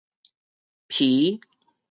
鈹